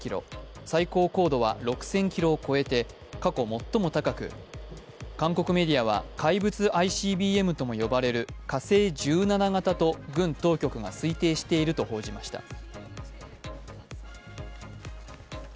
最高高度は６０００ｋｍを超えて過去最も高く韓国メディアは怪物ＩＣＢＭとも呼ばれる火星１７型と軍当局が推定していると報じました。